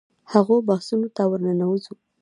هغو بحثونو ته ورننوځو.